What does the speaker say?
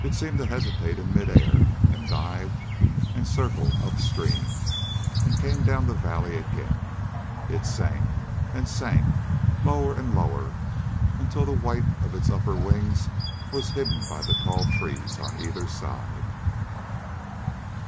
It seemed to hesitate in mid air, and dived, and circled up stream and came down the valley again. It sank, and sank, lower and lower, until the white of its upper wings was hidden by the tall trees on either side.